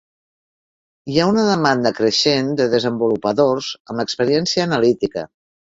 Hi ha una demanda creixent de desenvolupadors amb experiència analítica.